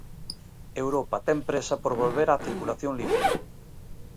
Europa ten présa por volver á circulación libre.